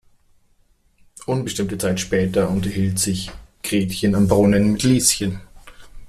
Unbestimmte Zeit später unterhält sich Gretchen "am Brunnen" mit Lieschen.